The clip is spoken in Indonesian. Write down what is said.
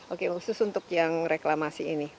oke khusus untuk yang reklamasi ini